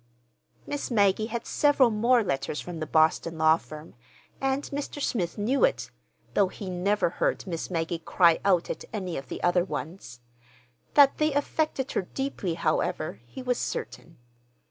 Miss Maggie had several more letters from the Boston law firm, and Mr. Smith knew it—though he never heard Miss Maggie cry out at any of the other ones. That they affected her deeply, however, he was certain.